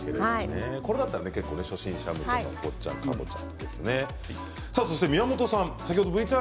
これだったら初心者向けですね坊ちゃんかぼちゃ。